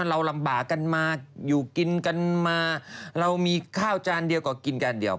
เราลำบากกันมาอยู่กินกันมาเรามีข้าวจานเดียวก็กินจานเดียว